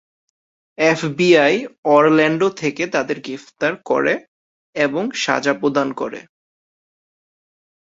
FBI Orlando থেকে তাদের গ্রেফতার করে এবং সাজা প্রদান করে।